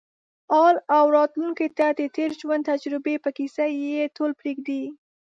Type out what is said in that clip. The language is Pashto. حال او راتلونکې ته د تېر ژوند تجربې په کیسه یې ډول پرېږدي.